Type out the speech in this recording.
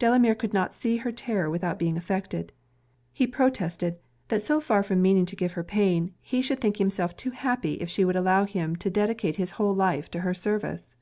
Delamere could not see her terror without being affected. He protested, that so far from meaning to give her pain, he should think himself too happy if she would allow him to dedicate his whole life to her service.